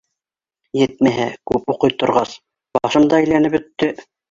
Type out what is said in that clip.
Етмәһә, күп уҡый торғас, башым да әйләнеп бөттө.